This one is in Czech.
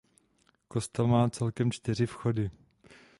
Kostel má celkem čtyři vchody.